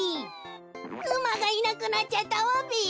うまがいなくなっちゃったわべ。